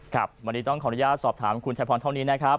ครับวันนี้ต้องขออนุญาตสอบถามคุณชายพรเท่านี้นะครับ